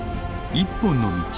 「一本の道」。